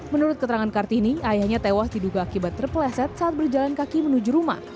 menurut keterangan kartini ayahnya tewas diduga akibat terpeleset saat berjalan kaki menuju rumah